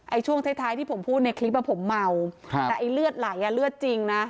ช่วงท้ายท้ายที่ผมพูดในคลิปว่าผมเมาครับแต่ไอ้เลือดไหลอ่ะเลือดจริงนะ